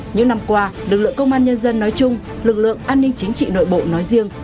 những năm qua lực lượng công an nhân dân nói chung lực lượng an ninh chính trị nội bộ nói riêng